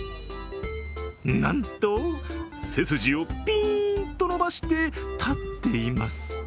なんと、背筋をピーンと伸ばして立っています。